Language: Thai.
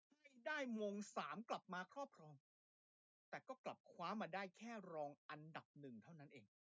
ไม่ได้มงสามกลับมาครอบครองแชมป์แต่ก็กลับคว้ามาได้แค่รองอันดับหนึ่งเท่านั้นเอง